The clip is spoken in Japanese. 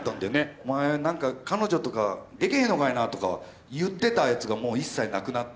お前なんか彼女とかできへんのかいなとか言ってたやつがもう一切なくなって。